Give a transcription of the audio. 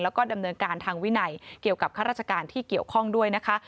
แล้วก็ดำเนินการทางวินัยเกี่ยวกับข้าราชการที่เกี่ยวข้องด้วยนะคะ